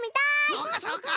そうかそうか！